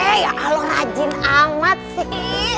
eh ya allah rajin amat sih